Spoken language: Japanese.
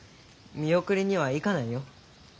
見送りには行かないよ。